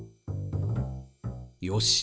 よし。